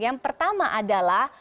yang pertama adalah